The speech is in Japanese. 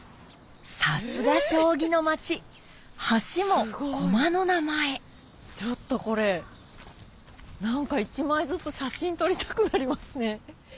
さすが将棋の町橋も駒の名前ちょっとこれ何か一枚ずつ写真撮りたくなりますね。